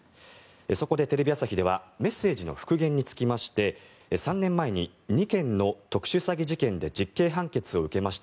そこでテレビ朝日ではメッセージの復元につきまして３年前に２件の特殊詐欺事件で実刑判決を受けました